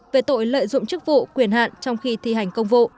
về tội lợi dụng chức vụ quyền hạn trong khi thi hành công vụ